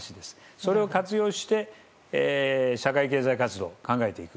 それを活用して社会経済活動を考えていく。